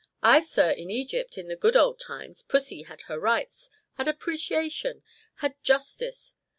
"Ay, sir, in Egypt in the good old times, pussy had her rights, had appreciation, had justice.